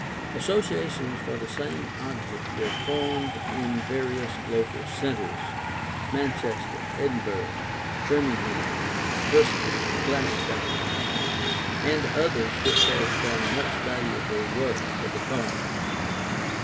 Associations for the same object were formed in various local centres, Manchester, Edinburgh, Birmingham, Bristol, and Glasgow; and others which have done much valuable work for the cause.